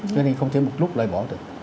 cho nên không thể một lúc loại bỏ được